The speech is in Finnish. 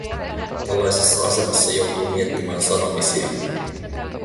Tällaisessa asemassa joutuu miettimään sanomisiaan.